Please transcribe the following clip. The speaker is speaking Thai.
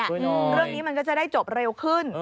เรื่องนี้มันก็จะได้จบเร็วขึ้น